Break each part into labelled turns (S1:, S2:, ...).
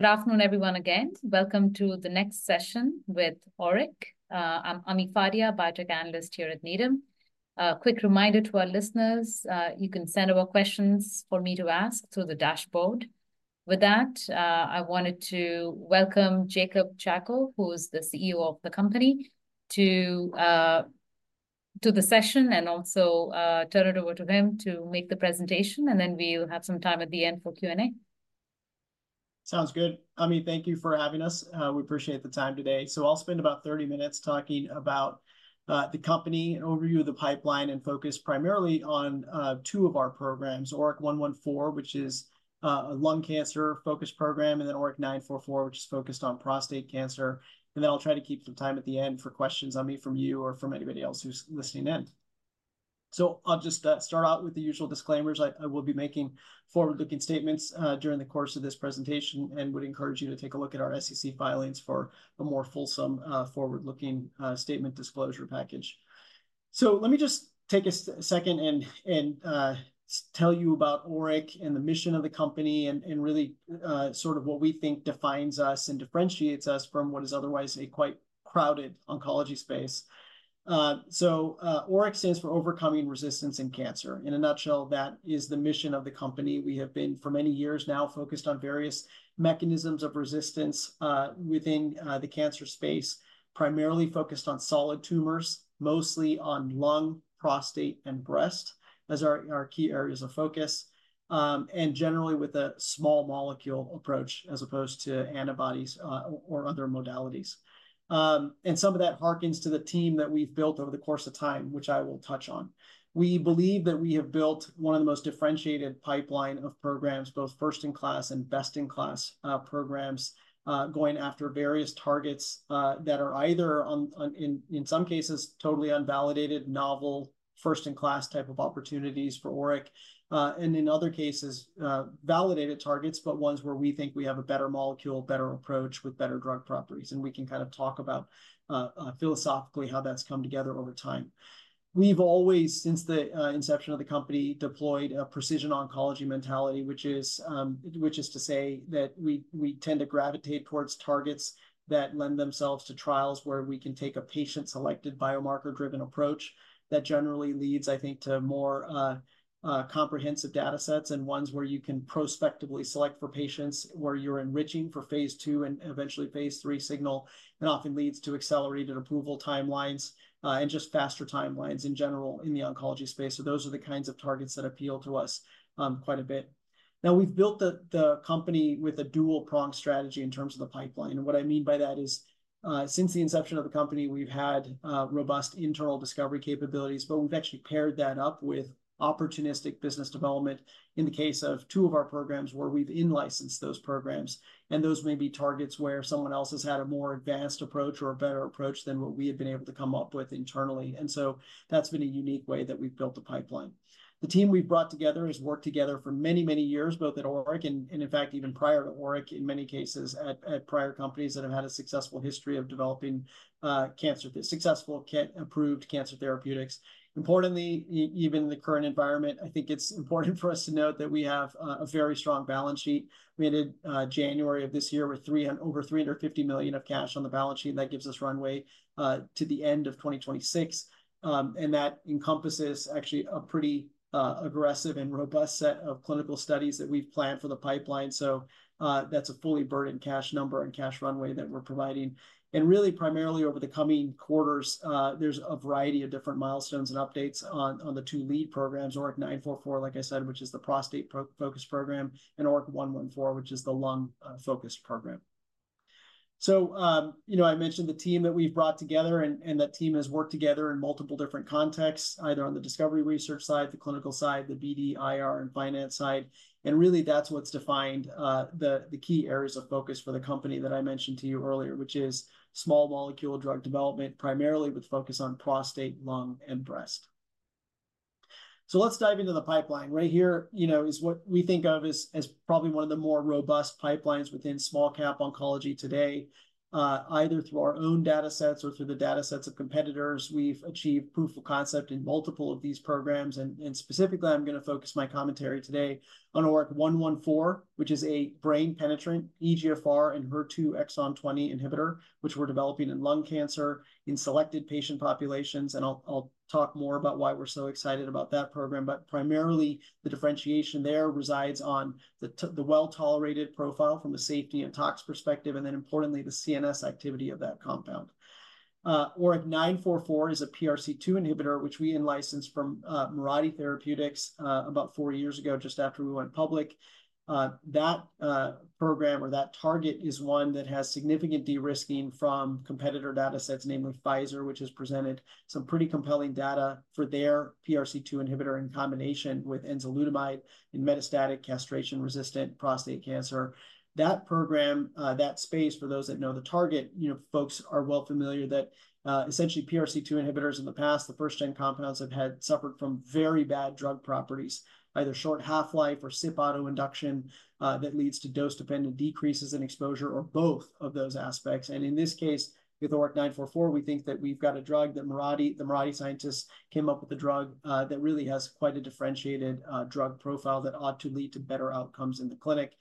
S1: Good afternoon, everyone, again. Welcome to the next session with ORIC. I'm Ami Fadia, Biotech Analyst here at Needham. A quick reminder to our listeners: you can send over questions for me to ask through the dashboard. With that, I wanted to welcome Jacob Chacko, who is the CEO of the company, to the session and also turn it over to him to make the presentation, and then we'll have some time at the end for Q&A.
S2: Sounds good. Ami, thank you for having us. We appreciate the time today. I'll spend about 30 minutes talking about the company and overview of the pipeline, and focus primarily on two of our programs, ORIC-114, which is a lung cancer-focused program, and then ORIC-944, which is focused on prostate cancer. I'll try to keep some time at the end for questions, Ami, from you or from anybody else who's listening in. I'll just start out with the usual disclaimers. I will be making forward-looking statements during the course of this presentation and would encourage you to take a look at our SEC filings for a more fulsome forward-looking statement disclosure package. Let me just take a second and tell you about ORIC and the mission of the company and really sort of what we think defines us and differentiates us from what is otherwise a quite crowded oncology space. ORIC stands for Overcoming Resistance In Cancer. In a nutshell, that is the mission of the company. We have been for many years now focused on various mechanisms of resistance within the cancer space, primarily focused on solid tumors, mostly on lung, prostate, and breast as our key areas of focus, and generally with a small molecule approach as opposed to antibodies or other modalities. Some of that hearkens to the team that we've built over the course of time, which I will touch on. We believe that we have built one of the most differentiated pipelines of programs, both first-in-class and best-in-class programs, going after various targets that are either, in some cases, totally unvalidated, novel, first-in-class type of opportunities for ORIC, and in other cases, validated targets, but ones where we think we have a better molecule, better approach, with better drug properties. We can kind of talk about philosophically how that's come together over time. We've always, since the inception of the company, deployed a precision oncology mentality, which is to say that we tend to gravitate towards targets that lend themselves to trials where we can take a patient-selected, biomarker-driven approach that generally leads, I think, to more comprehensive data sets and ones where you can prospectively select for patients where you're enriching for phase II and eventually phase III signal, and often leads to accelerated approval timelines and just faster timelines in general in the oncology space. Those are the kinds of targets that appeal to us quite a bit. Now, we've built the company with a dual-pronged strategy in terms of the pipeline. And what I mean by that is, since the inception of the company, we've had robust internal discovery capabilities, but we've actually paired that up with opportunistic business development in the case of two of our programs where we've in-licensed those programs. And those may be targets where someone else has had a more advanced approach or a better approach than what we had been able to come up with internally. And so that's been a unique way that we've built the pipeline. The team we've brought together has worked together for many, many years, both at ORIC and, in fact, even prior to ORIC, in many cases, at prior companies that have had a successful history of developing successful approved cancer therapeutics. Importantly, even in the current environment, I think it's important for us to note that we have a very strong balance sheet. We ended January of this year with over $350 million of cash on the balance sheet. That gives us runway to the end of 2026. That encompasses actually a pretty aggressive and robust set of clinical studies that we've planned for the pipeline. So that's a fully burdened cash number and cash runway that we're providing. Really, primarily over the coming quarters, there's a variety of different milestones and updates on the two lead programs, ORIC-944, like I said, which is the prostate-focused program, and ORIC-114, which is the lung-focused program. So I mentioned the team that we've brought together, and that team has worked together in multiple different contexts, either on the discovery research side, the clinical side, the BD, IR, and finance side. Really, that's what's defined the key areas of focus for the company that I mentioned to you earlier, which is small molecule drug development, primarily with focus on prostate, lung, and breast. Let's dive into the pipeline. Right here is what we think of as probably one of the more robust pipelines within small-cap oncology today. Either through our own data sets or through the data sets of competitors, we've achieved proof of concept in multiple of these programs. And specifically, I'm going to focus my commentary today on ORIC-114, which is a brain-penetrant EGFR and HER2 exon 20 inhibitor, which we're developing in lung cancer in selected patient populations. And I'll talk more about why we're so excited about that program. But primarily, the differentiation there resides on the well-tolerated profile from a safety and tox perspective, and then importantly, the CNS activity of that compound. ORIC-944 is a PRC2 inhibitor, which we in-licensed from Mirati Therapeutics about four years ago, just after we went public. That program or that target is one that has significant de-risking from competitor data sets, namely Pfizer, which has presented some pretty compelling data for their PRC2 inhibitor in combination with enzalutamide in metastatic, castration-resistant prostate cancer. That program, that space, for those that know the target, folks are well familiar that essentially PRC2 inhibitors in the past, the first-gen compounds, have suffered from very bad drug properties, either short half-life or CYP autoinduction that leads to dose-dependent decreases in exposure or both of those aspects. In this case, with ORIC-944, we think that we've got a drug that the Mirati scientists came up with, a drug that really has quite a differentiated drug profile that ought to lead to better outcomes in the clinic,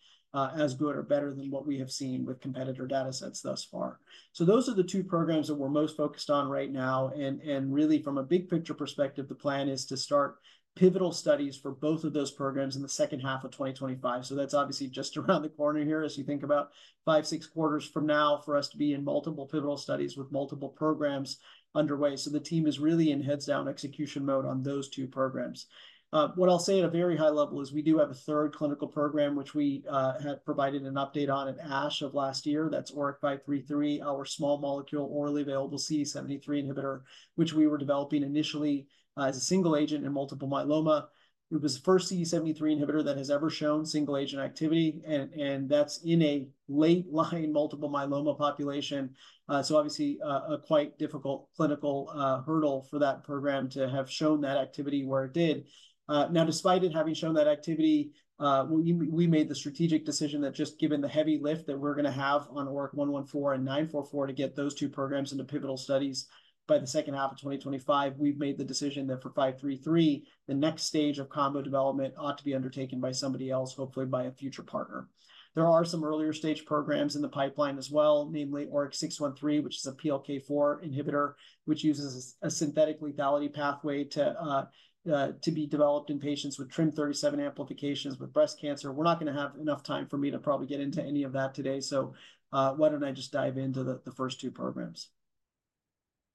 S2: as good or better than what we have seen with competitor data sets thus far. Those are the two programs that we're most focused on right now. Really, from a big-picture perspective, the plan is to start pivotal studies for both of those programs in the second half of 2025. That's obviously just around the corner here, as you think about 5, 6 quarters from now, for us to be in multiple pivotal studies with multiple programs underway. The team is really in heads-down execution mode on those two programs. What I'll say at a very high level is we do have a third clinical program, which we had provided an update on at ASH of last year. That's ORIC-533, our small molecule orally available CD73 inhibitor, which we were developing initially as a single agent in multiple myeloma. It was the first CD73 inhibitor that has ever shown single-agent activity. And that's in a late-line multiple myeloma population. So obviously, a quite difficult clinical hurdle for that program to have shown that activity where it did. Now, despite it having shown that activity, we made the strategic decision that just given the heavy lift that we're going to have on ORIC-114 and ORIC-944 to get those two programs into pivotal studies by the second half of 2025, we've made the decision that for ORIC-533, the next stage of combo development ought to be undertaken by somebody else, hopefully by a future partner. There are some earlier-stage programs in the pipeline as well, namely ORIC-613, which is a PLK4 inhibitor, which uses a synthetic lethality pathway to be developed in patients with TRIM37 amplifications with breast cancer. We're not going to have enough time for me to probably get into any of that today. So why don't I just dive into the first two programs?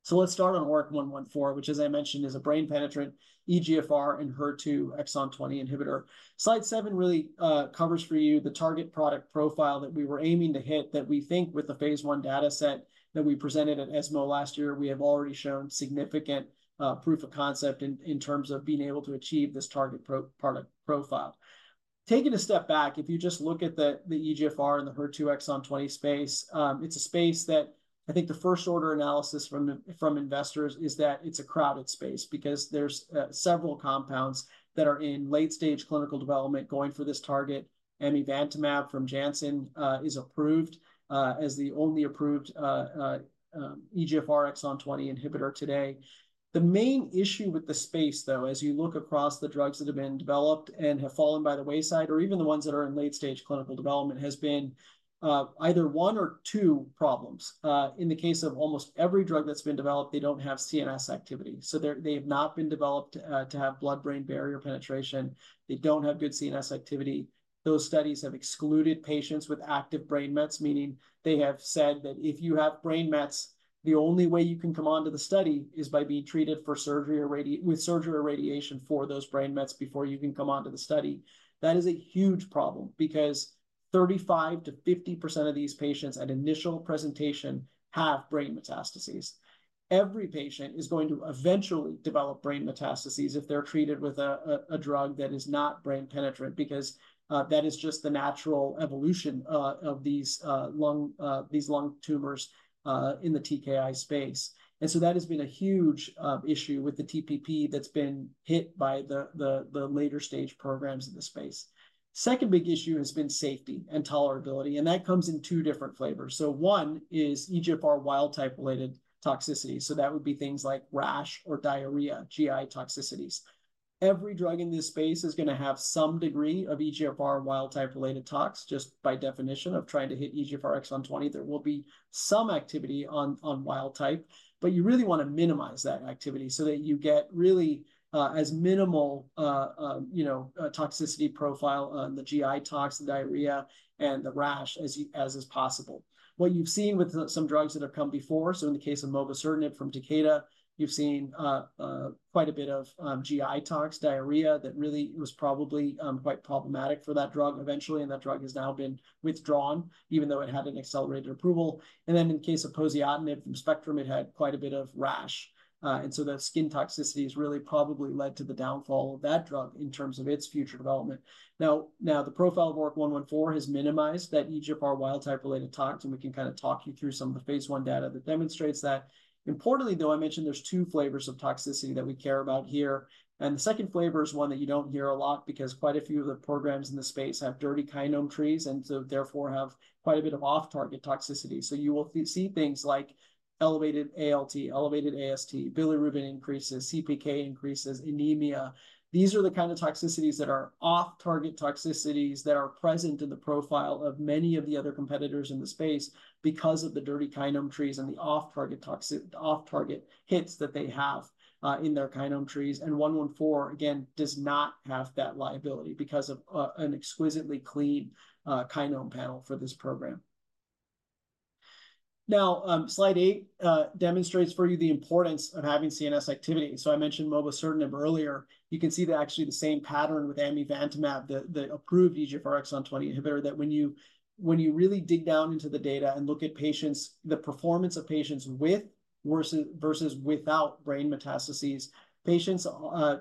S2: So let's start on ORIC-114, which, as I mentioned, is a brain-penetrant EGFR and HER2 exon 20 inhibitor. Slide seven really covers for you the target product profile that we were aiming to hit that we think with the phase I data set that we presented at ESMO last year, we have already shown significant proof of concept in terms of being able to achieve this target product profile. Taking a step back, if you just look at the EGFR and the HER2 exon 20 space, it's a space that I think the first-order analysis from investors is that it's a crowded space because there's several compounds that are in late-stage clinical development going for this target. Amivantamab from Janssen is approved as the only approved EGFR exon 20 inhibitor today. The main issue with the space, though, as you look across the drugs that have been developed and have fallen by the wayside, or even the ones that are in late-stage clinical development, has been either one or two problems. In the case of almost every drug that's been developed, they don't have CNS activity. So they have not been developed to have blood-brain barrier penetration. They don't have good CNS activity. Those studies have excluded patients with active brain mets, meaning they have said that if you have brain mets, the only way you can come onto the study is by being treated for surgery or with surgery or radiation for those brain mets before you can come onto the study. That is a huge problem because 35%-50% of these patients at initial presentation have brain metastases. Every patient is going to eventually develop brain metastases if they're treated with a drug that is not brain-penetrant because that is just the natural evolution of these lung tumors in the TKI space. And so that has been a huge issue with the TPP that's been hit by the later-stage programs in the space. The second big issue has been safety and tolerability. And that comes in two different flavors. So one is EGFR wild-type related toxicity. So that would be things like rash or diarrhea, GI toxicities. Every drug in this space is going to have some degree of EGFR wild-type related tox. Just by definition of trying to hit EGFR exon 20, there will be some activity on wild type. But you really want to minimize that activity so that you get really as minimal toxicity profile on the GI tox, the diarrhea, and the rash as is possible. What you've seen with some drugs that have come before, so in the case of mobocertinib from Takeda, you've seen quite a bit of GI tox, diarrhea that really was probably quite problematic for that drug eventually. And that drug has now been withdrawn, even though it had an accelerated approval. And then in the case of poziotinib from Spectrum, it had quite a bit of rash. And so the skin toxicities really probably led to the downfall of that drug in terms of its future development. Now, the profile of ORIC-114 has minimized that EGFR wild-type related tox. And we can kind of talk you through some of the phase I data that demonstrates that. Importantly, though, I mentioned there's two flavors of toxicity that we care about here. And the second flavor is one that you don't hear a lot because quite a few of the programs in the space have dirty kinome trees and so therefore have quite a bit of off-target toxicity. So you will see things like elevated ALT, elevated AST, bilirubin increases, CPK increases, anemia. These are the kind of toxicities that are off-target toxicities that are present in the profile of many of the other competitors in the space because of the dirty kinome trees and the off-target hits that they have in their kinome trees. And 114, again, does not have that liability because of an exquisitely clean kinome panel for this program. Now, slide eight demonstrates for you the importance of having CNS activity. So I mentioned mobocertinib earlier. You can see that actually the same pattern with amivantamab, the approved EGFR exon 20 inhibitor, that when you really dig down into the data and look at the performance of patients with versus without brain metastases, patients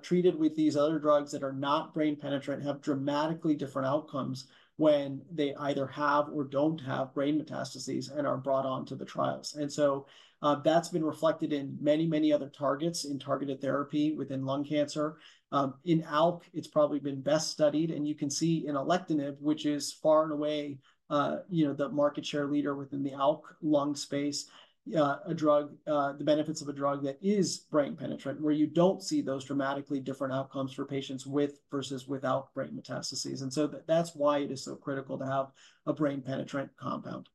S2: treated with these other drugs that are not brain-penetrant have dramatically different outcomes when they either have or don't have brain metastases and are brought onto the trials. And so that's been reflected in many, many other targets in targeted therapy within lung cancer. In ALK, it's probably been best studied. And you can see in alectinib, which is far and away the market share leader within the ALK lung space, the benefits of a drug that is brain-penetrant where you don't see those dramatically different outcomes for patients with versus without brain metastases. And so that's why it is so critical to have a brain-penetrant compound.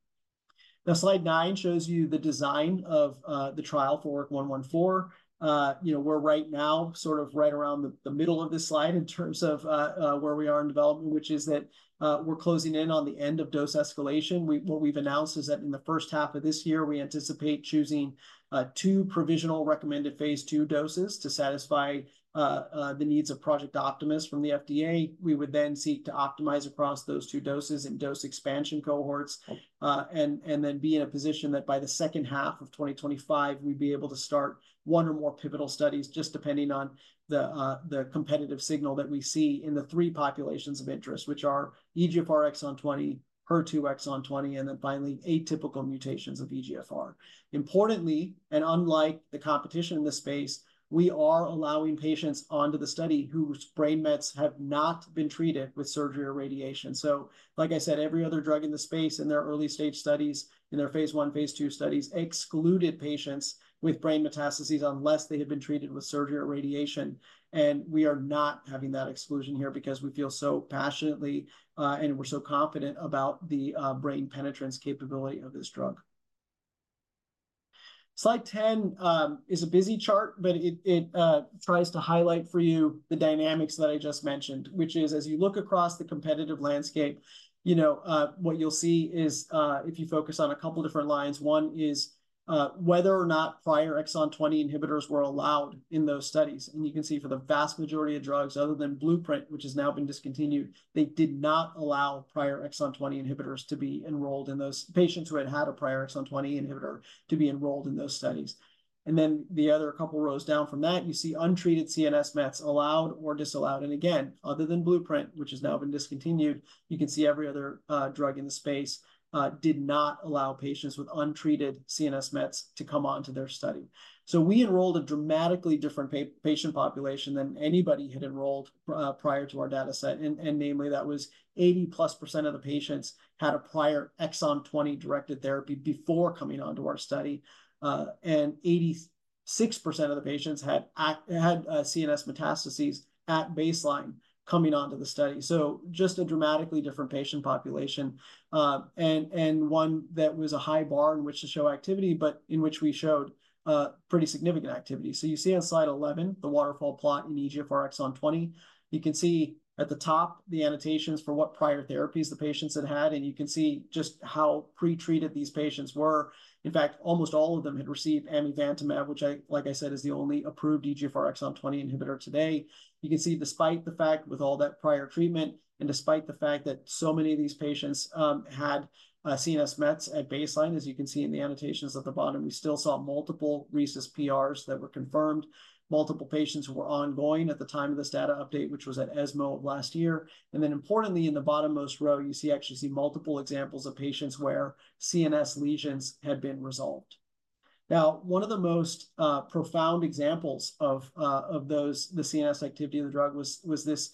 S2: Now, slide 9 shows you the design of the trial for ORIC-114. We're right now sort of right around the middle of this slide in terms of where we are in development, which is that we're closing in on the end of dose escalation. What we've announced is that in the first half of this year, we anticipate choosing two provisional recommended phase II doses to satisfy the needs of Project Optimus from the FDA. We would then seek to optimize across those two doses and dose expansion cohorts and then be in a position that by the second half of 2025, we'd be able to start one or more pivotal studies just depending on the competitive signal that we see in the three populations of interest, which are EGFR exon 20, HER2 exon 20, and then finally, atypical mutations of EGFR. Importantly, and unlike the competition in this space, we are allowing patients onto the study whose brain mets have not been treated with surgery or radiation. So like I said, every other drug in the space in their early-stage studies, in their phase I, phase II studies, excluded patients with brain metastases unless they had been treated with surgery or radiation. And we are not having that exclusion here because we feel so passionately and we're so confident about the brain penetrance capability of this drug. Slide 10 is a busy chart, but it tries to highlight for you the dynamics that I just mentioned, which is as you look across the competitive landscape, what you'll see is if you focus on a couple of different lines, one is whether or not prior exon 20 inhibitors were allowed in those studies. You can see for the vast majority of drugs, other than BluePrint, which has now been discontinued, they did not allow prior exon 20 inhibitors to be enrolled in those patients who had had a prior exon 20 inhibitor to be enrolled in those studies. Then the other couple of rows down from that, you see untreated CNS mets allowed or disallowed. Again, other than BluePrint, which has now been discontinued, you can see every other drug in the space did not allow patients with untreated CNS mets to come onto their study. So we enrolled a dramatically different patient population than anybody had enrolled prior to our data set. Namely, that was 80%+ of the patients had a prior exon 20 directed therapy before coming onto our study. And 86% of the patients had had CNS metastases at baseline coming onto the study. So just a dramatically different patient population. And one that was a high bar in which to show activity, but in which we showed pretty significant activity. So you see on slide 11, the waterfall plot in EGFR exon 20. You can see at the top the annotations for what prior therapies the patients had had. And you can see just how pretreated these patients were. In fact, almost all of them had received amivantamab, which, like I said, is the only approved EGFR exon 20 inhibitor today. You can see despite the fact with all that prior treatment and despite the fact that so many of these patients had CNS mets at baseline, as you can see in the annotations at the bottom, we still saw multiple RECIST PRs that were confirmed, multiple patients who were ongoing at the time of this data update, which was at ESMO last year. And then importantly, in the bottommost row, you actually see multiple examples of patients where CNS lesions had been resolved. Now, one of the most profound examples of the CNS activity of the drug was this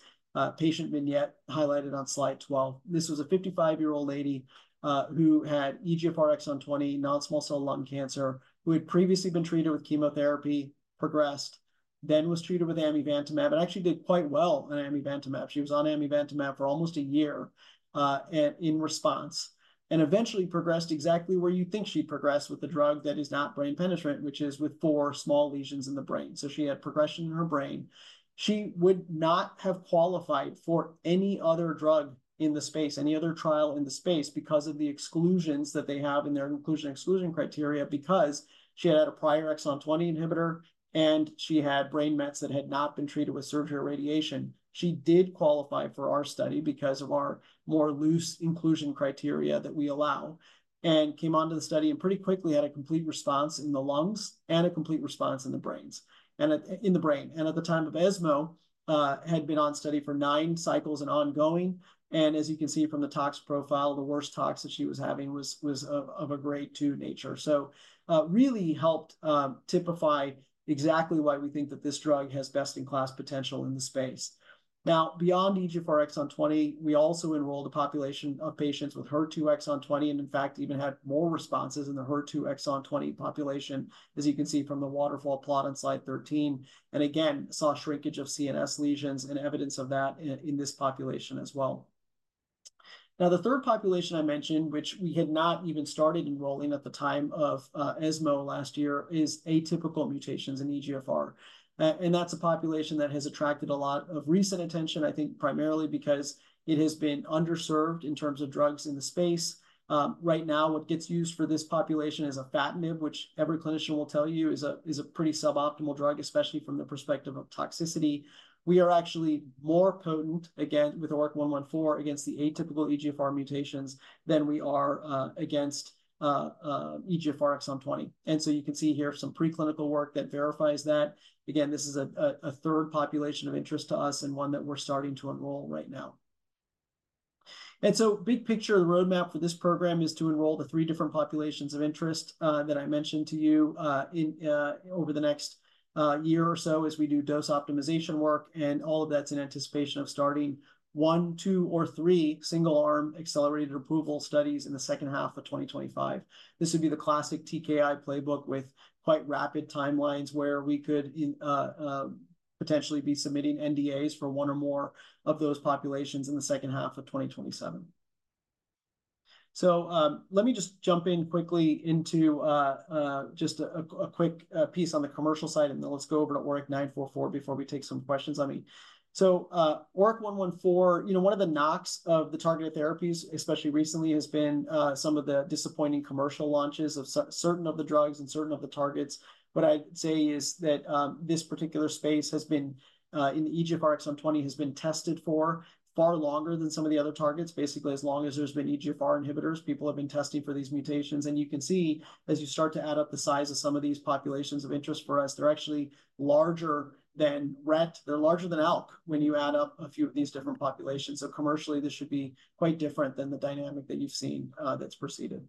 S2: patient vignette highlighted on slide 12. This was a 55-year-old lady who had EGFR exon 20, non-small cell lung cancer, who had previously been treated with chemotherapy, progressed, then was treated with amivantamab, and actually did quite well on amivantamab. She was on amivantamab for almost a year in response and eventually progressed exactly where you think she'd progressed with the drug that is not brain-penetrant, which is with four small lesions in the brain. So she had progression in her brain. She would not have qualified for any other drug in the space, any other trial in the space because of the exclusions that they have in their inclusion exclusion criteria because she had had a prior exon 20 inhibitor and she had brain mets that had not been treated with surgery or radiation. She did qualify for our study because of our more loose inclusion criteria that we allow and came onto the study and pretty quickly had a complete response in the lungs and a complete response in the brain. And at the time of ESMO, had been on study for nine cycles and ongoing. And as you can see from the tox profile, the worst tox that she was having was of a grade 2 nature. So really helped typify exactly why we think that this drug has best-in-class potential in the space. Now, beyond EGFR exon 20, we also enrolled a population of patients with HER2 exon 20 and in fact, even had more responses in the HER2 exon 20 population, as you can see from the waterfall plot on slide 13. And again, saw shrinkage of CNS lesions and evidence of that in this population as well. Now, the third population I mentioned, which we had not even started enrolling at the time of ESMO last year, is atypical mutations in EGFR. And that's a population that has attracted a lot of recent attention, I think primarily because it has been underserved in terms of drugs in the space. Right now, what gets used for this population is afatinib, which every clinician will tell you is a pretty suboptimal drug, especially from the perspective of toxicity. We are actually more potent, again, with ORIC-114 against the atypical EGFR mutations than we are against EGFR exon 20. And so you can see here some preclinical work that verifies that. Again, this is a third population of interest to us and one that we're starting to enroll right now. And so big picture of the roadmap for this program is to enroll the three different populations of interest that I mentioned to you over the next year or so as we do dose optimization work. And all of that's in anticipation of starting 1, 2, or 3 single-arm accelerated approval studies in the second half of 2025. This would be the classic TKI playbook with quite rapid timelines where we could potentially be submitting NDAs for one or more of those populations in the second half of 2027. So let me just jump in quickly into just a quick piece on the commercial side, and then let's go over to ORIC-944 before we take some questions on me. So ORIC-114, one of the knocks of the targeted therapies, especially recently, has been some of the disappointing commercial launches of certain of the drugs and certain of the targets. What I'd say is that this particular space has been in the EGFR exon 20 has been tested for far longer than some of the other targets, basically as long as there's been EGFR inhibitors, people have been testing for these mutations. You can see as you start to add up the size of some of these populations of interest for us, they're actually larger than RET. They're larger than ALK when you add up a few of these different populations. Commercially, this should be quite different than the dynamic that you've seen that's preceded.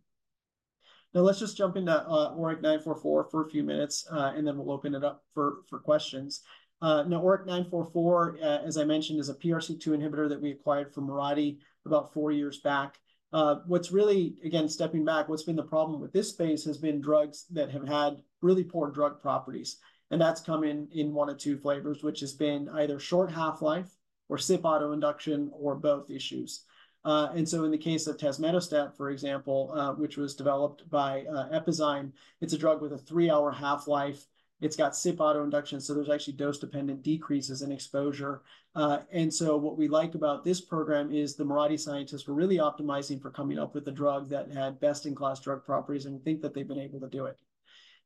S2: Now, let's just jump into ORIC-944 for a few minutes, and then we'll open it up for questions. Now, ORIC-944, as I mentioned, is a PRC2 inhibitor that we acquired from Mirati about four years back. Again, stepping back, what's been the problem with this space has been drugs that have had really poor drug properties. And that's come in one of two flavors, which has been either short half-life or CYP autoinduction or both issues. In the case of tazemetostat, for example, which was developed by Epizyme, it's a drug with a three-hour half-life. It's got CYP autoinduction, so there's actually dose-dependent decreases in exposure. What we like about this program is the Mirati scientists were really optimizing for coming up with a drug that had best-in-class drug properties, and we think that they've been able to do it.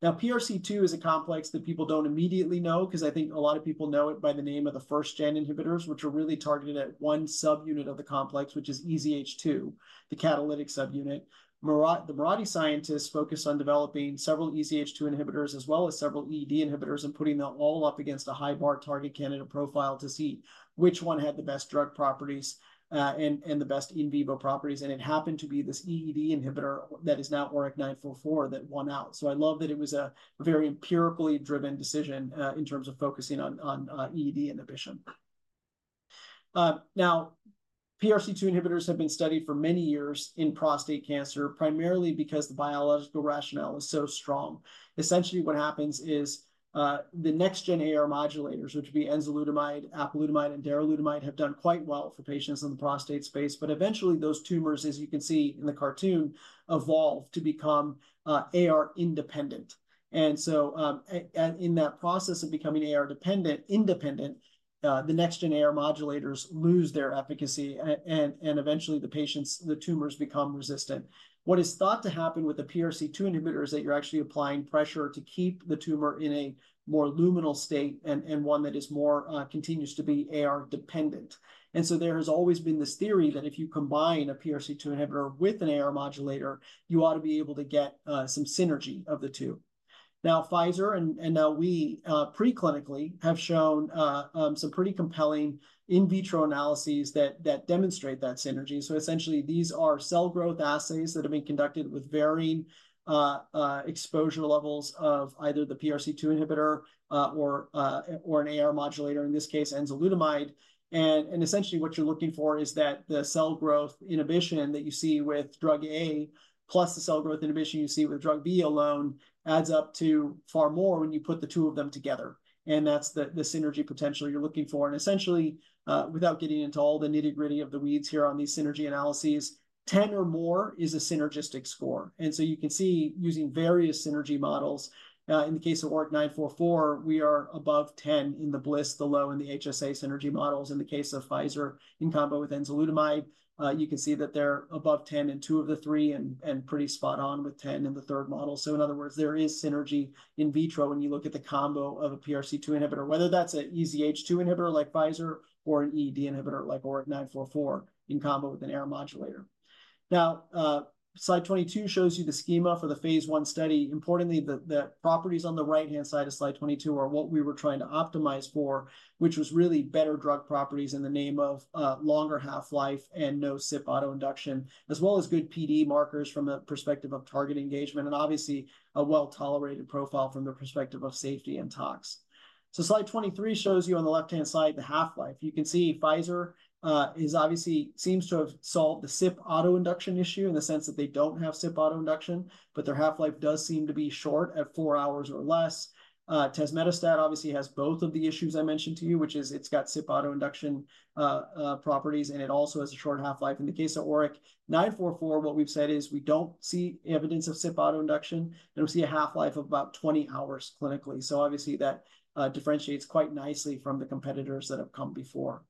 S2: Now, PRC2 is a complex that people don't immediately know because I think a lot of people know it by the name of the first-gen inhibitors, which are really targeted at one subunit of the complex, which is EZH2, the catalytic subunit. The Mirati scientists focused on developing several EZH2 inhibitors as well as several EED inhibitors and putting them all up against a high-bar target candidate profile to see which one had the best drug properties and the best in vivo properties. And it happened to be this EED inhibitor that is now ORIC-944 that won out. So I love that it was a very empirically driven decision in terms of focusing on EED inhibition. Now, PRC2 inhibitors have been studied for many years in prostate cancer, primarily because the biological rationale is so strong. Essentially, what happens is the next-gen AR modulators, which would be enzalutamide, apalutamide, and daralutamide, have done quite well for patients in the prostate space. But eventually, those tumors, as you can see in the cartoon, evolve to become AR-independent. And so in that process of becoming AR-independent, the next-gen AR modulators lose their efficacy, and eventually, the tumors become resistant. What is thought to happen with the PRC2 inhibitor is that you're actually applying pressure to keep the tumor in a more luminal state and one that continues to be AR-dependent. And so there has always been this theory that if you combine a PRC2 inhibitor with an AR modulator, you ought to be able to get some synergy of the two. Now, Pfizer and now we preclinically have shown some pretty compelling in vitro analyses that demonstrate that synergy. So essentially, these are cell growth assays that have been conducted with varying exposure levels of either the PRC2 inhibitor or an AR modulator, in this case, enzalutamide. And essentially, what you're looking for is that the cell growth inhibition that you see with drug A plus the cell growth inhibition you see with drug B alone adds up to far more when you put the two of them together. And that's the synergy potential you're looking for. And essentially, without getting into all the nitty-gritty of the weeds here on these synergy analyses, 10 or more is a synergistic score. And so you can see using various synergy models, in the case of ORIC-944, we are above 10 in the Bliss, the Loewe, and the HSA synergy models. In the case of Pfizer, in combo with enzalutamide, you can see that they're above 10 in two of the three and pretty spot-on with 10 in the third model. So in other words, there is synergy in vitro when you look at the combo of a PRC2 inhibitor, whether that's an EZH2 inhibitor like Pfizer or an EED inhibitor like ORIC-944 in combo with an AR modulator. Now, slide 22 shows you the schema for the phase I study. Importantly, the properties on the right-hand side of slide 22 are what we were trying to optimize for, which was really better drug properties in the name of longer half-life and no CYP autoinduction, as well as good PD markers from the perspective of target engagement and obviously a well-tolerated profile from the perspective of safety and tox. So slide 23 shows you on the left-hand side the half-life. You can see Pfizer obviously seems to have solved the CYP autoinduction issue in the sense that they don't have CYP autoinduction, but their half-life does seem to be short at 4 hours or less. Tazemetostat obviously has both of the issues I mentioned to you, which is it's got CYP autoinduction properties, and it also has a short half-life. In the case of ORIC-944, what we've said is we don't see evidence of CYP autoinduction, and we see a half-life of about 20 hours clinically. So obviously, that differentiates quite nicely from the competitors that have come before.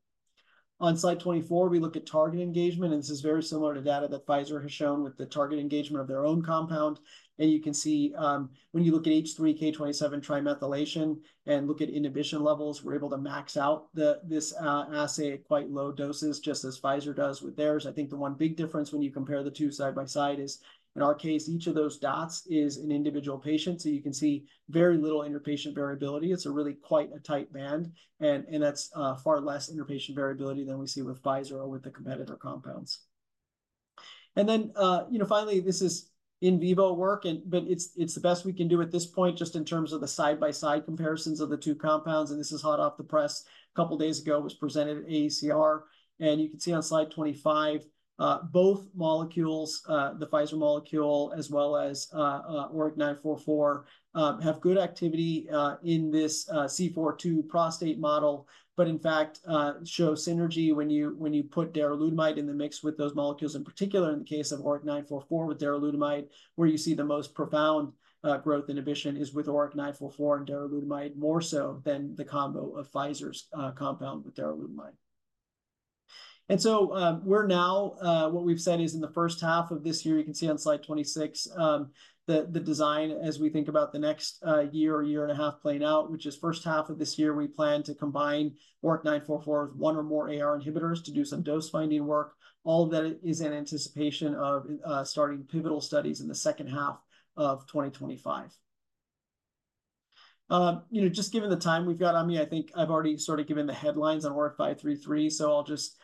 S2: On slide 24, we look at target engagement, and this is very similar to data that Pfizer has shown with the target engagement of their own compound. You can see when you look at H3K27 trimethylation and look at inhibition levels, we're able to max out this assay at quite low doses, just as Pfizer does with theirs. I think the one big difference when you compare the two side by side is in our case, each of those dots is an individual patient. So you can see very little interpatient variability. It's really quite a tight band, and that's far less interpatient variability than we see with Pfizer or with the competitor compounds. Then finally, this is in vivo work, but it's the best we can do at this point just in terms of the side-by-side comparisons of the two compounds. And this is hot off the press. A couple of days ago, it was presented at AACR. You can see on slide 25, both molecules, the Pfizer molecule as well as ORIC 944, have good activity in this C4-2 prostate model, but in fact, show synergy when you put daralutamide in the mix with those molecules. In particular, in the case of ORIC 944 with daralutamide, where you see the most profound growth inhibition is with ORIC 944 and daralutamide more so than the combo of Pfizer's compound with daralutamide. So we're now, what we've said is in the first half of this year, you can see on slide 26, the design as we think about the next year or year and a half playing out, which is first half of this year, we plan to combine ORIC 944 with one or more AR inhibitors to do some dose-finding work. All of that is in anticipation of starting pivotal studies in the second half of 2025. Just given the time we've got on me, I think I've already sort of given the headlines on ORIC-533. So I'll just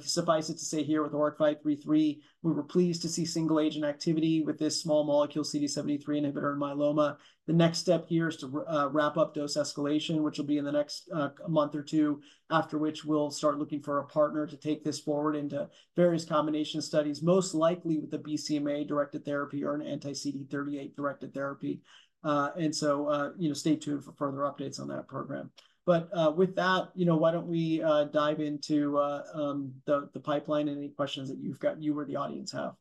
S2: suffice it to say here with ORIC-533, we were pleased to see single-agent activity with this small molecule CD73 inhibitor in myeloma. The next step here is to wrap up dose escalation, which will be in the next month or two, after which we'll start looking for a partner to take this forward into various combination studies, most likely with the BCMA directed therapy or an anti-CD38 directed therapy. And so stay tuned for further updates on that program. With that, why don't we dive into the pipeline and any questions that you or the audience have?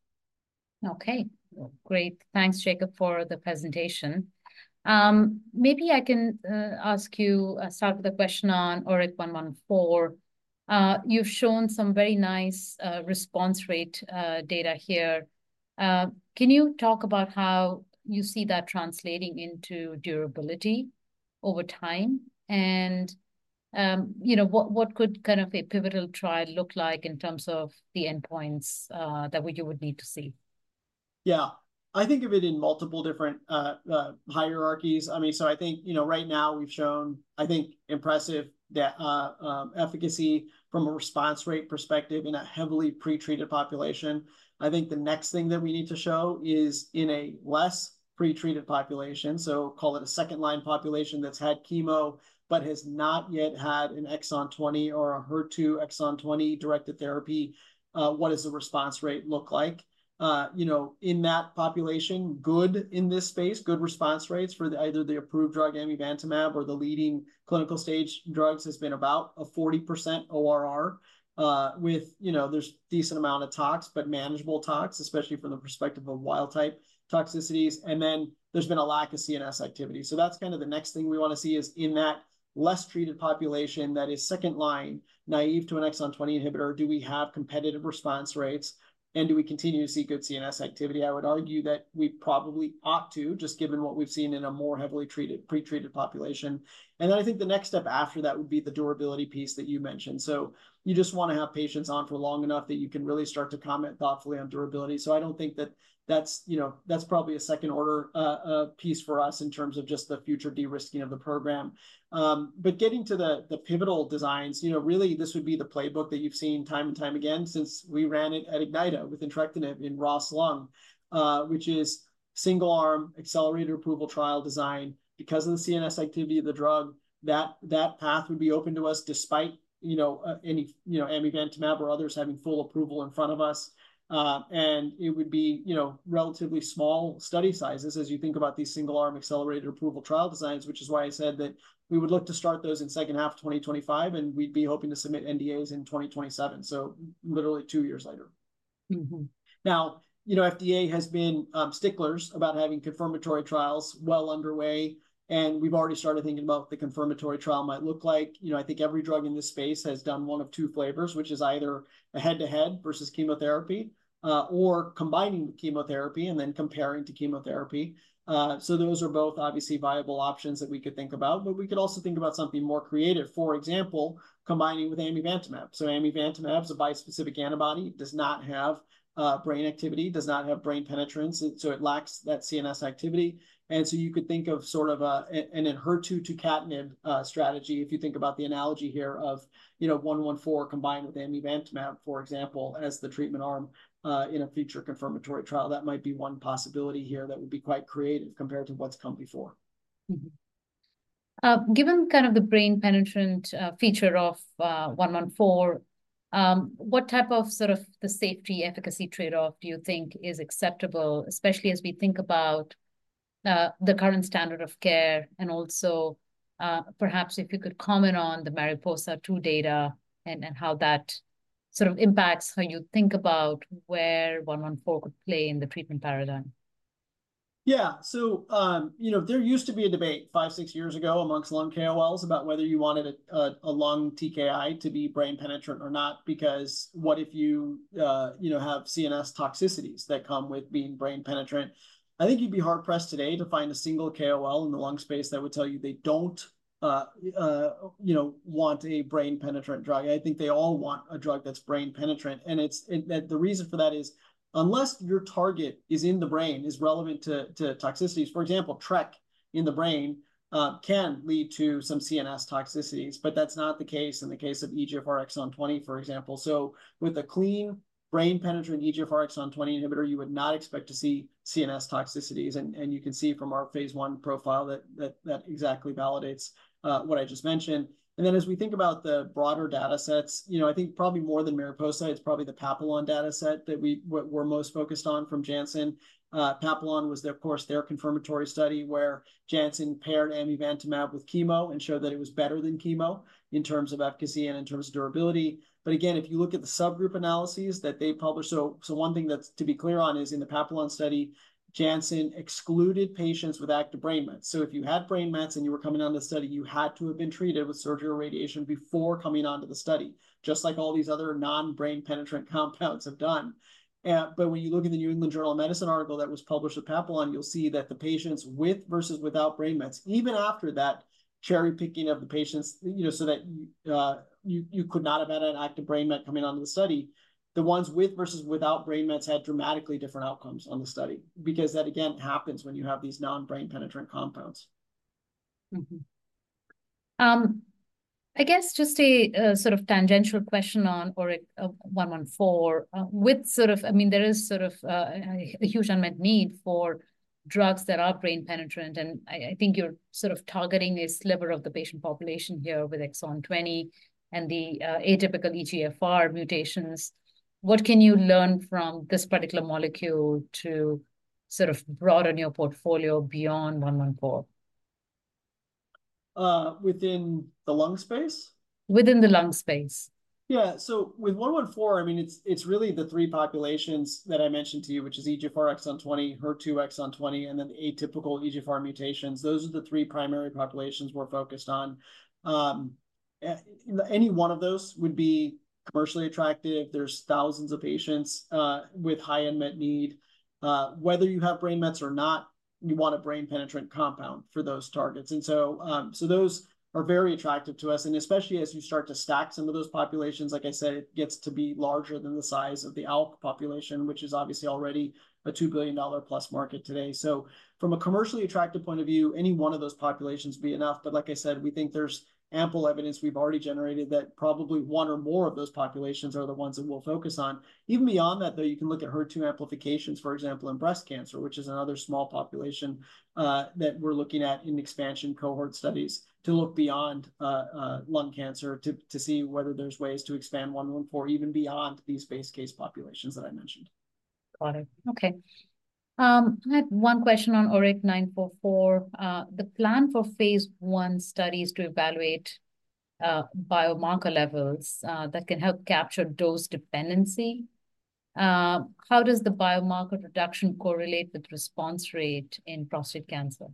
S1: Okay. Great. Thanks, Jacob, for the presentation. Maybe I can ask you start with a question on ORIC-114. You've shown some very nice response rate data here. Can you talk about how you see that translating into durability over time? And what could kind of a pivotal trial look like in terms of the endpoints that you would need to see?
S2: Yeah. I think of it in multiple different hierarchies. I mean, so I think right now we've shown, I think, impressive efficacy from a response rate perspective in a heavily pretreated population. I think the next thing that we need to show is in a less pretreated population, so call it a second-line population that's had chemo but has not yet had an exon 20 or a HER2 exon 20 directed therapy, what does the response rate look like? In that population, good in this space, good response rates for either the approved drug amivantamab or the leading clinical stage drugs has been about a 40% ORR with there's a decent amount of tox, but manageable tox, especially from the perspective of wild-type toxicities. And then there's been a lack of CNS activity. So that's kind of the next thing we want to see is in that less treated population that is second-line, naive to an exon 20 inhibitor, do we have competitive response rates? And do we continue to see good CNS activity? I would argue that we probably ought to, just given what we've seen in a more heavily pretreated population. And then I think the next step after that would be the durability piece that you mentioned. So you just want to have patients on for long enough that you can really start to comment thoughtfully on durability. So I don't think that that's probably a second-order piece for us in terms of just the future de-risking of the program. But getting to the pivotal designs, really, this would be the playbook that you've seen time and time again since we ran it at Ignyta with entrectinib in ROS1 lung, which is single-arm accelerated approval trial design. Because of the CNS activity of the drug, that path would be open to us despite any amivantamab or others having full approval in front of us. And it would be relatively small study sizes as you think about these single-arm accelerated approval trial designs, which is why I said that we would look to start those in second half of 2025, and we'd be hoping to submit NDAs in 2027, so literally two years later. Now, FDA has been sticklers about having confirmatory trials well underway, and we've already started thinking about what the confirmatory trial might look like. I think every drug in this space has done one of two flavors, which is either a head-to-head versus chemotherapy or combining chemotherapy and then comparing to chemotherapy. So those are both obviously viable options that we could think about, but we could also think about something more creative, for example, combining with amivantamab. So amivantamab is a bispecific antibody, does not have brain activity, does not have brain penetrance, so it lacks that CNS activity. And so you could think of sort of an HER2 tucatinib strategy if you think about the analogy here of 114 combined with amivantamab, for example, as the treatment arm in a future confirmatory trial. That might be one possibility here that would be quite creative compared to what's come before.
S1: Given kind of the brain penetrance feature of 114, what type of sort of the safety efficacy trade-off do you think is acceptable, especially as we think about the current standard of care and also perhaps if you could comment on the Mariposa 2 data and how that sort of impacts how you think about where 114 could play in the treatment paradigm?
S2: Yeah. So there used to be a debate 5, 6 years ago amongst lung KOLs about whether you wanted a lung TKI to be brain penetrant or not because what if you have CNS toxicities that come with being brain penetrant? I think you'd be hard-pressed today to find a single KOL in the lung space that would tell you they don't want a brain penetrant drug. I think they all want a drug that's brain penetrant. And the reason for that is unless your target is in the brain, is relevant to toxicities. For example, TRK in the brain can lead to some CNS toxicities, but that's not the case in the case of EGFR exon 20, for example. So with a clean brain penetrant EGFR exon 20 inhibitor, you would not expect to see CNS toxicities. You can see from our phase I profile that that exactly validates what I just mentioned. Then as we think about the broader data sets, I think probably more than Mariposa, it's probably the Papillon data set that we were most focused on from Janssen. Papillon was, of course, their confirmatory study where Janssen paired amivantamab with chemo and showed that it was better than chemo in terms of efficacy and in terms of durability. But again, if you look at the subgroup analyses that they published, so one thing that's to be clear on is in the Papillon study, Janssen excluded patients with active brain mets. So if you had brain mets and you were coming on the study, you had to have been treated with surgery or radiation before coming onto the study, just like all these other non-brain penetrant compounds have done. But when you look in the New England Journal of Medicine article that was published with Papillon, you'll see that the patients with versus without brain mets, even after that cherry-picking of the patients so that you could not have had an active brain met coming onto the study, the ones with versus without brain mets had dramatically different outcomes on the study because that, again, happens when you have these non-brain penetrant compounds.
S1: I guess just a sort of tangential question on ORIC-114. I mean, there is sort of a huge unmet need for drugs that are brain penetrant, and I think you're sort of targeting a sliver of the patient population here with exon 20 and the atypical EGFR mutations. What can you learn from this particular molecule to sort of broaden your portfolio beyond 114?
S2: Within the lung space?
S1: Within the lung space.
S2: Yeah. So with 114, I mean, it's really the three populations that I mentioned to you, which is EGFR exon 20, HER2 exon 20, and then the atypical EGFR mutations. Those are the three primary populations we're focused on. Any one of those would be commercially attractive. There's thousands of patients with high unmet need. Whether you have brain mets or not, you want a brain penetrant compound for those targets. And so those are very attractive to us. And especially as you start to stack some of those populations, like I said, it gets to be larger than the size of the ALK population, which is obviously already a $2 billion-plus market today. So from a commercially attractive point of view, any one of those populations would be enough. But like I said, we think there's ample evidence we've already generated that probably one or more of those populations are the ones that we'll focus on. Even beyond that, though, you can look at HER2 amplifications, for example, in breast cancer, which is another small population that we're looking at in expansion cohort studies to look beyond lung cancer to see whether there's ways to expand 114 even beyond these base case populations that I mentioned.
S1: Got it. Okay. I had one question on ORIC-944. The plan for phase I studies to evaluate biomarker levels that can help capture dose dependency. How does the biomarker reduction correlate with response rate in prostate cancer?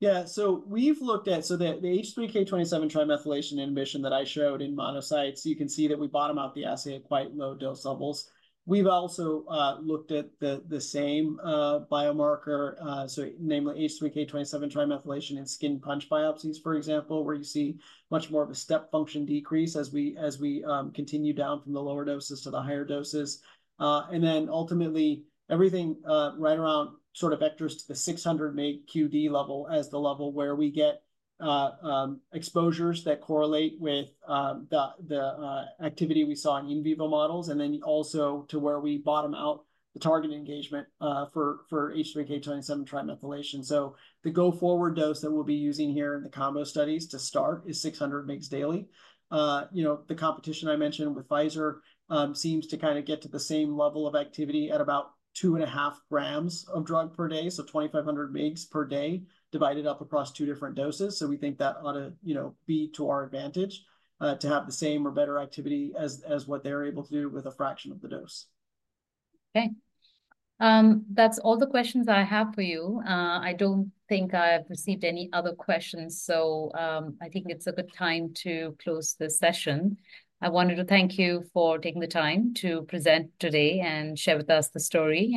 S2: Yeah. So we've looked at the H3K27 trimethylation inhibition that I showed in monocytes. You can see that we bottom out the assay at quite low dose levels. We've also looked at the same biomarker, so namely H3K27 trimethylation in skin punch biopsies, for example, where you see much more of a step function decrease as we continue down from the lower doses to the higher doses. And then ultimately, everything right around sort of vectors to the 600 mg QD level as the level where we get exposures that correlate with the activity we saw in in vivo models, and then also to where we bottom out the target engagement for H3K27 trimethylation. So the go-forward dose that we'll be using here in the combo studies to start is 600 mg daily. The competition I mentioned with Pfizer seems to kind of get to the same level of activity at about 2.5 g of drug per day, so 2,500 mg per day divided up across two different doses. So we think that ought to be to our advantage to have the same or better activity as what they're able to do with a fraction of the dose.
S1: Okay. That's all the questions I have for you. I don't think I've received any other questions, so I think it's a good time to close the session. I wanted to thank you for taking the time to present today and share with us the story.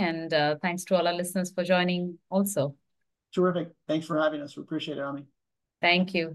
S1: Thanks to all our listeners for joining also.
S2: Terrific. Thanks for having us. We appreciate it, Ami.
S1: Thank you.